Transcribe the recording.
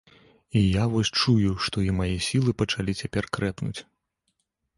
І я вось чую, што і мае сілы пачалі цяпер крэпнуць.